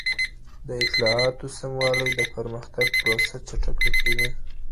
د اطلاعاتو سموالی د پرمختګ پروسه چټکه کوي.